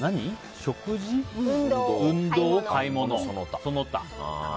食事、運動、買い物、その他。